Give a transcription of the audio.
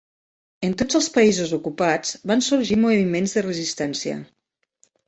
En tots els països ocupats van sorgir moviments de resistència.